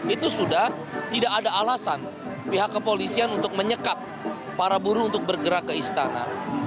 itu sudah tidak ada alasan pihak kepolisian untuk menyekat para buruh untuk bergerak ke istana